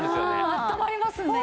あったまりますんでね。